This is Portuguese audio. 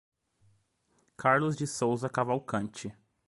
Carlos de Souza Cavalcante